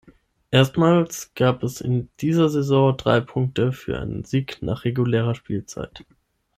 Erstmals gab es in dieser Saison drei Punkte für einen Sieg nach regulärer Spielzeit.